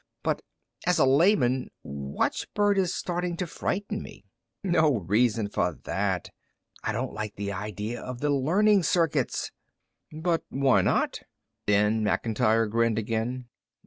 But as a layman, watchbird is starting to frighten me." "No reason for that." "I don't like the idea of the learning circuits." "But why not?" Then Macintyre grinned again.